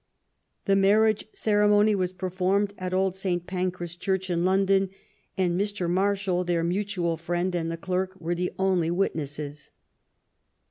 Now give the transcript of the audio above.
The marriage ceremony was performed at old Saint Pancras Church, in London, and Mr. Marshal, their mutual friend, and the clerk were the only witnesses.